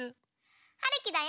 はるきだよ。